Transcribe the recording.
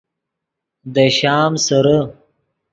دے شام سیرے